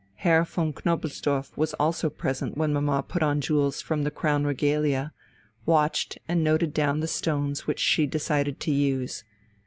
Herr von Knobelsdorff also was present when mamma put on jewels from the Crown regalia, watched and noted down the stones which she decided to use.